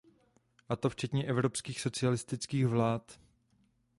A to včetně evropských socialistických vlád.